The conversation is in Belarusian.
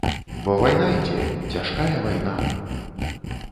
Бо вайна ідзе, цяжкая вайна!